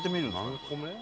何個目？